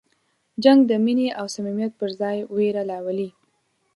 جنګ د مینې او صمیمیت پر ځای وېره راولي.